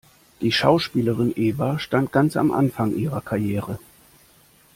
Die Schauspielerin Eva stand ganz am Anfang ihrer Karriere.